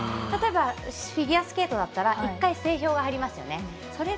例えばフィギュアスケートだったら１回、整氷が入りますよね。